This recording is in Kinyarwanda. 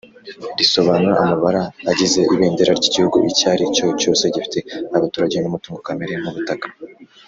risobanura amabara agize Ibendera ry Igihugu icyari cyo cyose gifite abaturage numutungo kamere nk’ ubutaka